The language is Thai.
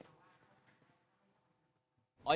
กำนันนกไม่ได้เป็นคนสั่งให้เขายิงสักหน่อย